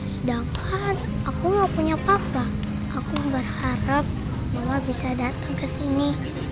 sedangkan aku gak punya papa aku berharap mama bisa dateng kesini